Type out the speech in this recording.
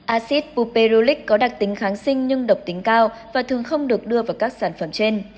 acid puperolic có đặc tính kháng sinh nhưng độc tính cao và thường không được đưa vào các sản phẩm trên